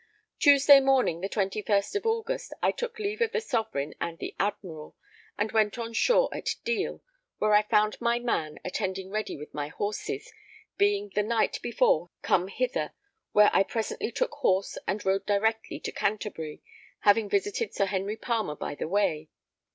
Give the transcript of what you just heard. Tuesday morning, the 21st of August, I took leave of the Sovereign and the Admiral, and went on shore at Deal, where I found my man attending ready with my horses, being the night before come thither, where I presently took horse and rode directly to Canterbury, having visited Sir Henry Palmer by the way.